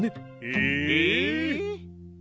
え。